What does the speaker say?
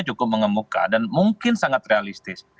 cukup mengemuka dan mungkin sangat realistis